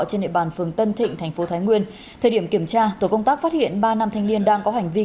trên địa bàn phường tân thịnh thành phố thái nguyên thời điểm kiểm tra tổ công tác phát hiện ba nam thanh niên đang có hành vi